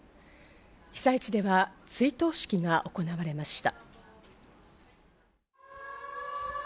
被災地では追悼式が行われました。